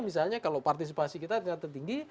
misalnya kalau partisipasi kita tertinggi